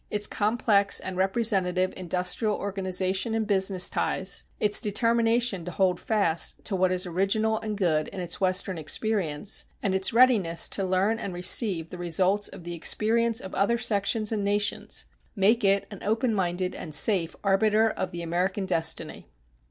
Its complex and representative industrial organization and business ties, its determination to hold fast to what is original and good in its Western experience, and its readiness to learn and receive the results of the experience of other sections and nations, make it an open minded and safe arbiter of the American destiny.